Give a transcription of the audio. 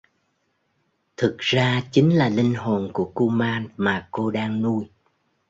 Thực ra chính là linh hồn của Kuman mà cô đang nuôi